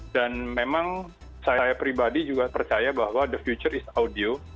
dan memang saya pribadi juga percaya bahwa the future is audio